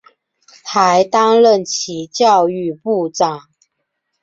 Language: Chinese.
还担任其教育部长。